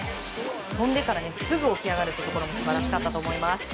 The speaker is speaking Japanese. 飛んでからすぐ起き上がるところ素晴らしかったと思います。